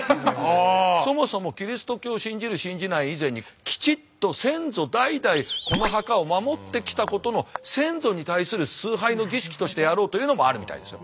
そもそもキリスト教を信じる信じない以前にきちっと先祖代々この墓を守ってきたことの先祖に対する崇拝の儀式としてやろうというのもあるみたいですよ。